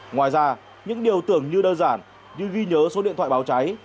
ngoài ra những điều tưởng như đơn giản như ghi nhớ số điện thoại báo cháy